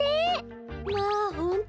まあほんと？